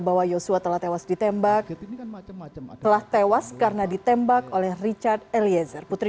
bahwa yosua telah tewas ditembak macam telah tewas karena ditembak oleh richard eliezer putri